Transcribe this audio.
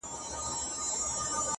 زه خوارکی يم! لکه ټپه انتظار!